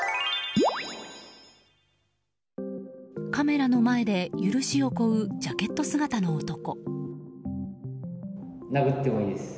カメラの前で許しを請うジャケット姿の男。